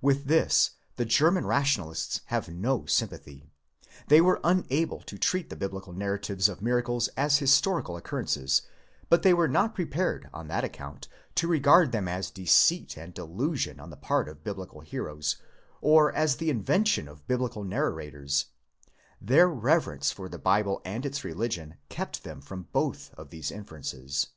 With this the German Rational ists have no sympathy. They were unable to treat the Biblical narratives of miracles as historical occur rences, but they were not prepared on that account to regard them as deceit and delusion on the part of Biblical heroes, or as the invention of Biblical narra sors: their reverence for the Bible and its religion kept them from both of these inferences.